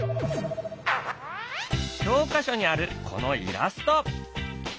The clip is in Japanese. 教科書にあるこのイラスト。